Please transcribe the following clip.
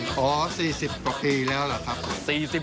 อ๋อ๔๐กว่าปีแล้วล่ะครับ